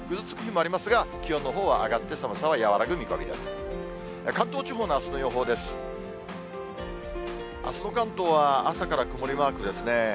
あすの関東は、朝から曇りマークですね。